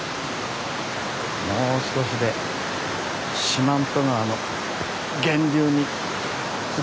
もう少しで四万十川の源流に着く。